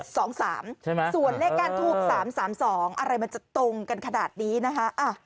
ส่วนเลขก้านทูบ๓๓๒อะไรมันจะตรงกันขนาดนี้นะคะ